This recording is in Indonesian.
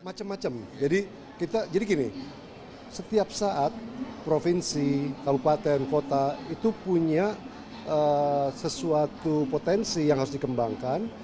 macem macem jadi kita jadi gini setiap saat provinsi kabupaten kota itu punya sesuatu potensi yang harus dikembangkan